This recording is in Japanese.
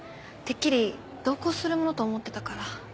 てっきり同行するものと思ってたから。